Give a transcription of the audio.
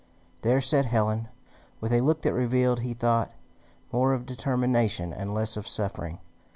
There sat Helen, with a look that revealed, he thought, more of determination and less of suffering.